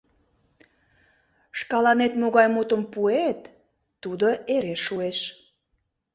— Шкаланет могай мутым пуэт, тудо эре шуэш.